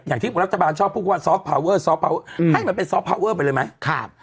อย่างที่บุ๊กรัคตะแบบชอบพูดว่าให้มันเป็นไปเลยไหมครับ